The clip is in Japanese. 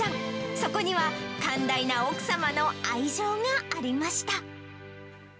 そこには寛大な奥様の愛情がありました。